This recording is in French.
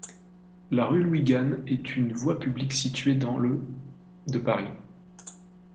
La rue Louis-Ganne est une voie publique située dans le de Paris.